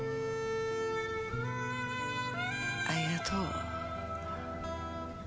ありがとう。